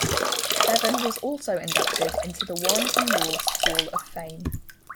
Bevan was also inducted into the Warrington Wolves Hall of Fame.